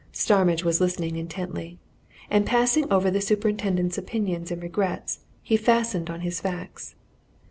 Starmidge was listening intently. And passing over the superintendent's opinions and regrets, he fastened on his facts.